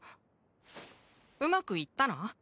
うまくいったの？